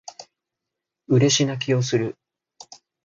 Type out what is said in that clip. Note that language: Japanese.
嬉し泣きをする